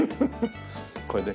これで。